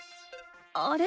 あれ？